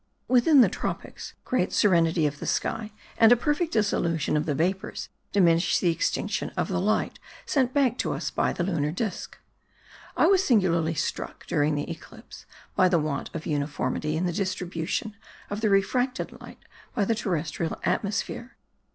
Within the tropics great serenity of the sky and a perfect dissolution of the vapours diminish the extinction of the light sent back to us by the lunar disc. I was singularly struck during the eclipse by the want of uniformity in the distribution of the refracted light by the terrestrial atmosphere.